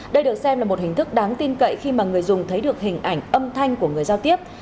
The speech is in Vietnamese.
đây được xem là một hình thức đáng tin cậy khi mà người dùng thấy được hình ảnh âm thanh của người giao tiếp